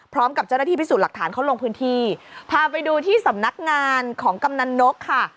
พร้อมกับเจ้าหน้าที่พิสูจน์หลักฐานเขาลงพื้นที่พาไปดูที่สำนักงานของกำนันนกค่ะ